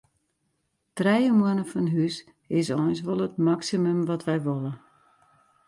Trije moanne fan hús is eins wol it maksimum wat wy wolle.